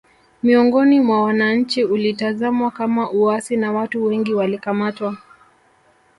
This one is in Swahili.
Miongoni mwa wananchi ulitazamwa kama uasi na watu wengi walikamatwa